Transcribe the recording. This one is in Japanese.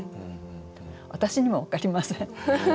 私にも分かりません。